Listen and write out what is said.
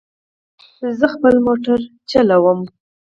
زه خپل موټر چلوم